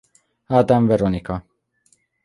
Ádám Veronika.